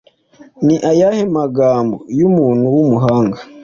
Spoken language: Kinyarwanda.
Ni ayahe magambo y’umuntu w’umuhanga